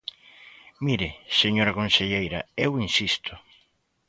Mire, señora conselleira, eu insisto.